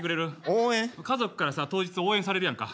家族からさ当日応援されるやんか。